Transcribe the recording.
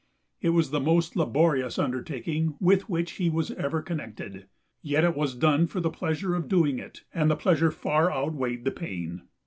It was the most laborious undertaking with which he was ever connected; yet it was done for the pleasure of doing it, and the pleasure far outweighed the pain.